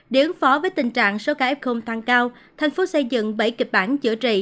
để ứng phó với tình trạng số ca f tăng cao thành phố xây dựng bảy kịch bản chữa trị